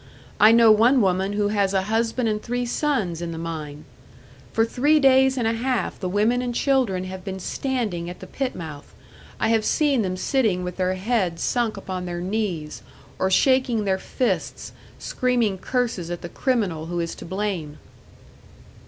I know one woman who has a husband and three sons in the mine. For three days and a half the women and children have been standing at the pit mouth; I have seen them sitting with their heads sunk upon their knees, or shaking their fists, screaming curses at the criminal who is to blame."